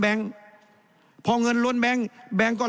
แสดงว่าความทุกข์มันไม่ได้ทุกข์เฉพาะชาวบ้านด้วยนะ